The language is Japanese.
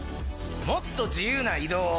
もっと自由な移動を。